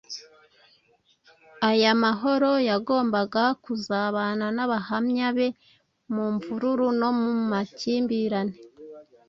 aya mahoro yagombaga kuzabana n’abahamya be mu mvururu no mu makimbirane.